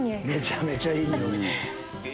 めちゃめちゃいい匂い！